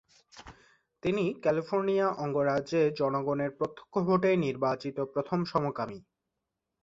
তিনি ক্যালিফোর্নিয়া অঙ্গরাজ্যে জনগণের প্রত্যক্ষ ভোটে নির্বাচিত প্রথম সমকামী।